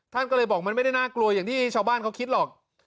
ท่านก็เลยบอกมันไม่ได้น่ากลัวอย่างที่ชาวบ้านเขาคิดหรอก